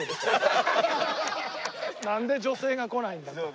なんで女性が来ないんだと。